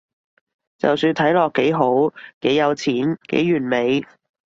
就算睇落幾好，幾有錢，幾完美